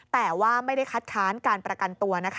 แต่ว่าไม่ได้คัดค้านการประกันตัวนะคะ